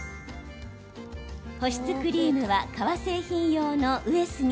保湿クリームは革製品用のウエスに